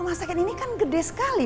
rumah sakit ini kan gede sekali